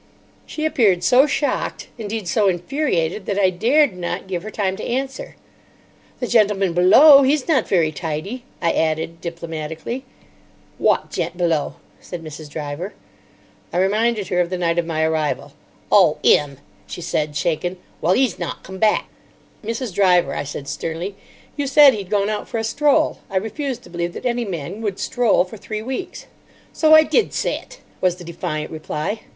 She appeared so shocked—indeed, so infuriated, that I dared not give her time to answer. "The gentleman below, he's not very tidy," I added diplomatically. "Wot gent below?" said Mrs. Driver. I reminded her of the night of my arrival. "Oh, 'im," she said, shaken. "Well, 'e's not come back." "Mrs. Driver," I said sternly, "you said he'd gone out for a stroll. I refuse to believe that any man would stroll for three weeks." "So I did say it," was the defiant reply.